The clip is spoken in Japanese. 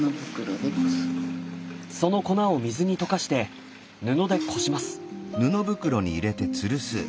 その粉を水に溶かして布でこします。